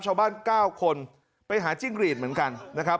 ชาวบ้าน๙คนไปหาจิ้งหรีดเหมือนกันนะครับ